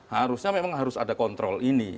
harusnya memang harus ada kontrol ini